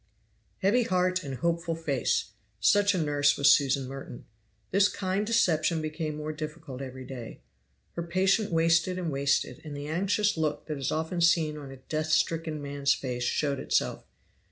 Heavy heart and hopeful face! such a nurse was Susan Merton. This kind deception became more difficult every day. Her patient wasted and wasted; and the anxious look that is often seen on a death stricken man's face showed itself.